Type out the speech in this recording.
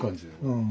うん。